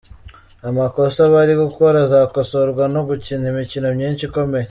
Amakosa bari gukora azakosorwa no gukina imikino myinshi ikomeye.